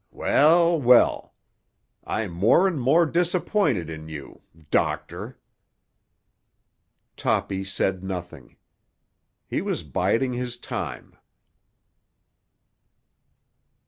Well, well! I'm more and more disappointed in you—doctor." Toppy said nothing. He was biding his time.